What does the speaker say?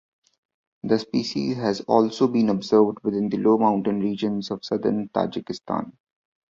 The species has also been observed within the low mountain regions of southern Tajikistan.